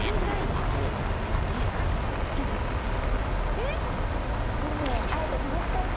えっ好きじゃんえっ！